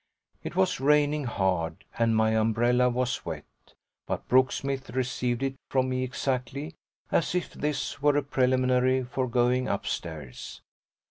It was raining hard and my umbrella was wet, but Brooksmith received it from me exactly as if this were a preliminary for going upstairs.